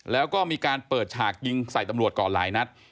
แล้วก็มีการเปิดฉากยิงใส่ตำรวจก่อนหลายนัด